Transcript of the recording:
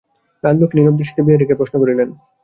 রাজলক্ষ্মী নীরব দৃষ্টিতে বিহারীকে প্রশ্ন করিলেন।